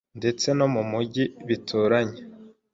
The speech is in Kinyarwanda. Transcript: ndetse no mu mijyi bituranye